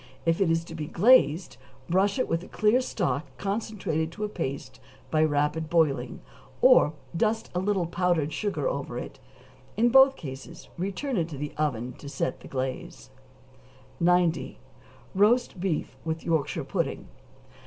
If it is to be glazed, brush it with clear stock concentrated to a paste by rapid boiling, or dust a little powdered sugar over it, and in both cases return it to the oven to set the glaze. 90. =Roast Beef with Yorkshire Pudding.